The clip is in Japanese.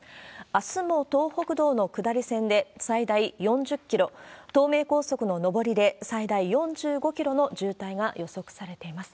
あすも東北道の下り線で最大４０キロ、東名高速の上りで最大４５キロの渋滞が予測されています。